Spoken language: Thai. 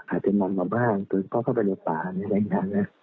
อาจจะนำมาบ้างก็เข้าไปในป่าในแรงทาง